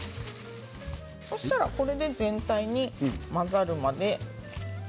そうしたらこれで全体に混ざるので。